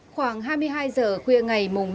khoảng hai mươi hai giờ khuya ngày mùng ba